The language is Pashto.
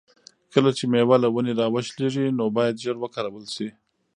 کله چې مېوه له ونې را وشلیږي نو باید ژر وکارول شي.